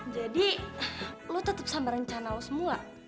jadi lo tetep sama rencana lo semua